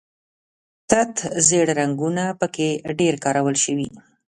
تت ژیړ رنګونه په کې ډېر کارول شوي.